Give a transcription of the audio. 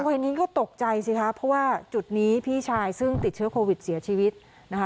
คนนี้ก็ตกใจสิคะเพราะว่าจุดนี้พี่ชายซึ่งติดเชื้อโควิดเสียชีวิตนะคะ